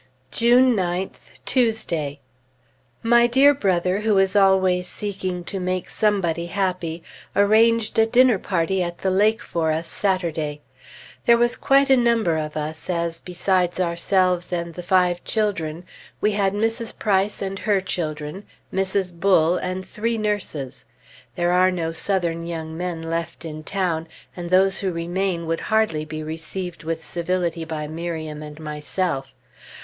June 9th, Tuesday. My dear Brother, who is always seeking to make somebody happy, arranged a dinner party at the lake for us Saturday. There was quite a number of us, as, besides ourselves and the five children, we had Mrs. Price and her children, Mrs. Bull, and three nurses.... There are no Southern young men left in town, and those who remain would hardly be received with civility by Miriam and myself.